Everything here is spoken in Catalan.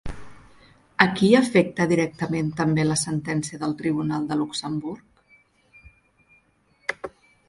A qui afecta directament també la sentència del Tribunal de Luxemburg?